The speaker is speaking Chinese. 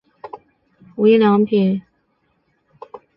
无印良品数位影印输出中心